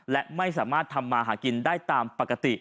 และไม่สามารถทำมาหากินได้ตามปกติ